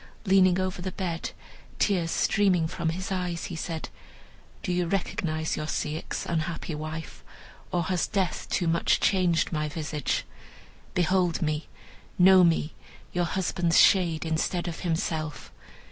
Leaning over the bed, tears streaming from his eyes, he said, "Do you recognize your Ceyx, unhappy wife, or has death too much changed my visage? Behold me, know me, your husband's shade, instead of himself.